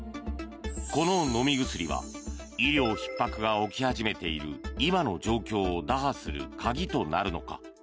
この飲み薬は医療ひっ迫が起き始めている今の状況を打破する鍵となるのか。